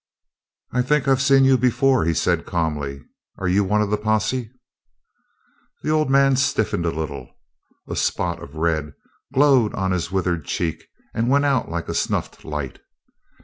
"I think I've seen you before," he said calmly. "Are you one of the posse?" The old man stiffened a little. A spot of red glowed on his withered cheek and went out like a snuffed light.